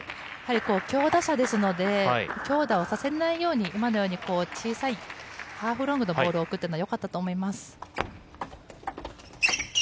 強打者ですので強打をさせないように今のように小さいハーフロングのボールを送ったのは良かったと思います。